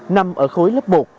nằm ở khối lớp một